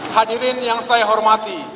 hadirin yang saya hormati